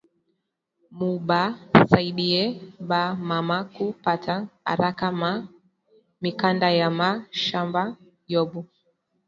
Mu ba saidiye ba mama ku pata araka ma mikanda ya ma mashamba yabo